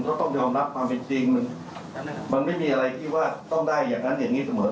ต้องยอมรับความเป็นจริงมันไม่มีอะไรที่ว่าต้องได้อย่างนั้นอย่างนี้เสมอ